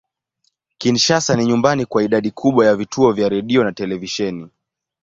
Kinshasa ni nyumbani kwa idadi kubwa ya vituo vya redio na televisheni.